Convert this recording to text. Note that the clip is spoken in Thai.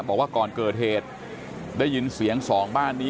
บอกว่าก่อนเกิดเหตุได้ยินเสียงสองบ้านนี้